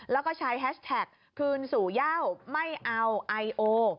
แล้วก็ใช้แฮชแท็กคืนสู่เย่าไม่เอาไอโอ